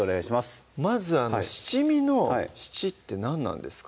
まず七味の「七」って何なんですか？